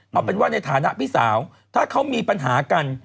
เอาเป็นว่าในฐานะพี่สาวถ้าเขามีปัญหากัน